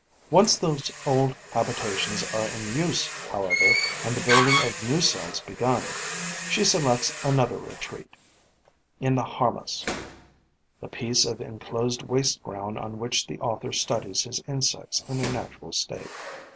Once those old habitations are in use, however, and the building of new cells begun, she selects another retreat. In the harmas (The piece of enclosed waste ground on which the author studies his insects in their natural state.